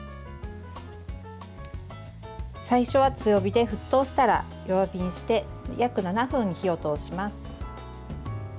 最初は強火で沸騰したら弱火にして約７分、火を通します。